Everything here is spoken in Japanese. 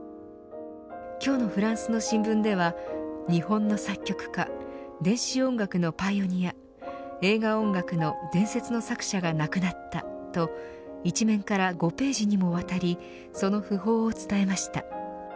今日のフランスの新聞では日本の作曲家電子音楽のパイオニア映画音楽の伝説の作者が亡くなったと１面から５ページにもわたりその訃報を伝えました。